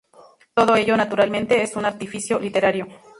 Todo ello, naturalmente, es un artificio literario.